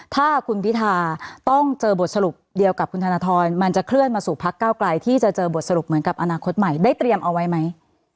ถ้าคุณพิทาต้องเจอบทสรุปเดียวกับคุณธนทรมันจะเคลื่อนมาสู่พักเก้าไกลที่จะเจอบทสรุปเหมือนกับอนาคตใหม่ได้เตรียมเอาไว้ไหม